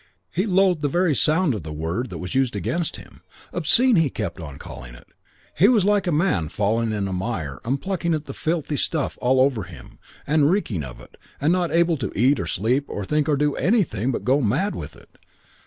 He loathed the very sound of the word that was used against him. Obscene, he kept on calling it. He was like a man fallen in a mire and plucking at the filthy stuff all over him and reeking of it and not able to eat or sleep or think or do anything but go mad with it.